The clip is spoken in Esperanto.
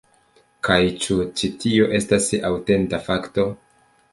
Kaj ĉu ĉi-tio estas aŭtenta fakto?